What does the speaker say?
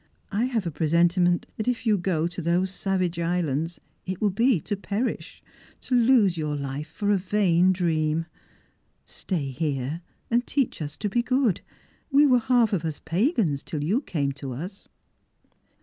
I have a presentiment that if you go to those savage islands it will be to perish ; to lose your life for a vain dream. Stay here, and teach us to be good. We were half of us pagans till you came to us."